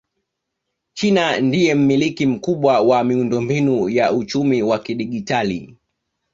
China ndiye mmiliki mkubwa wa miundombinu ya uchumi wa kidigitali